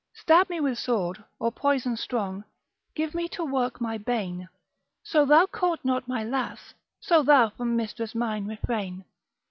Stab me with sword, or poison strong Give me to work my bane: So thou court not my lass, so thou From mistress mine refrain.